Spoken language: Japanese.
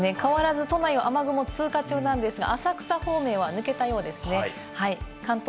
そうですね、変わらず都内を雨雲、通過中なんですが、浅草方面は抜けたようですね。